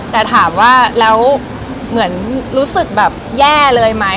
แต่ถามว่าแล้วเหมือนรู้สึกแบบแย่เลยไหม